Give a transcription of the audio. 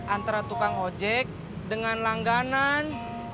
antara tukang ojek dengan langganan